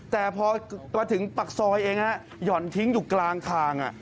แต่พอมาถึงปากซอยเองหย่อนทิ้งอยู่กลางทาง